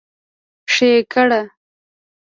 ښېګړه